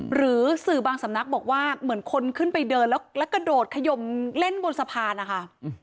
หรือสื่อบางสำนักบอกว่าเหมือนคนขึ้นไปเดินแล้วแล้วกระโดดขยมเล่นบนสะพานนะคะ